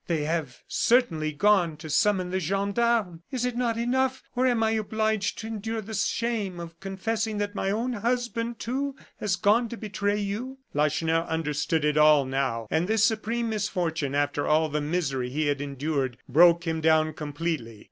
They have certainly gone to summon the gendarmes! Is this not enough, or am I obliged to endure the shame of confessing that my own husband, too, has gone to betray you." Lacheneur understood it all now! And this supreme misfortune, after all the misery he had endured, broke him down completely.